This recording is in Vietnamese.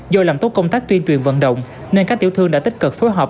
do làm tốt công tác tuyên truyền vận động nên các tiểu thương đã tích cực phối hợp